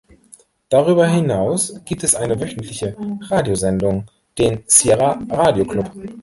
Darüber hinaus gibt es eine wöchentliche Radiosendung, den "Sierra Radio Club".